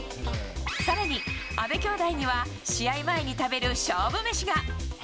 更に、阿部兄妹には試合前に食べる勝負飯が。